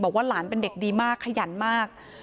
บอกว่าหลานเป็นเด็กดีมากขยันมาก